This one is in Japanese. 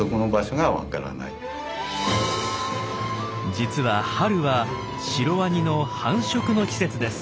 実は春はシロワニの繁殖の季節です。